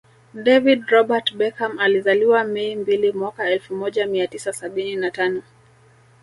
David Robert Beckham alizaliwa Mei Mbili mwaka elfu moja mia tisa sabini na tano